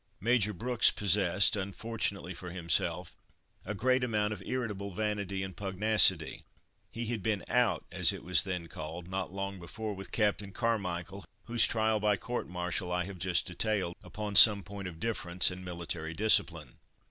Major Brooks possessed, unfortunately for himself, a great amount of irritable vanity and pugnacity. He had been "out," as it was then called, not long before with Captain Carmichael, whose trial by court martial I have just detailed, upon some point of difference in military discipline.